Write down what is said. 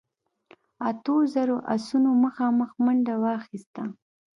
اتو زرو آسونو مخامخ منډه واخيسته.